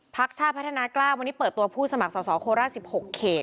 ชาติพัฒนากล้าวันนี้เปิดตัวผู้สมัครสอสอโคราช๑๖เขต